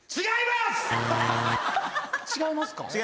違いますか？